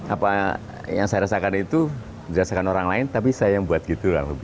apa yang saya rasakan itu dirasakan orang lain tapi saya yang buat gitu lah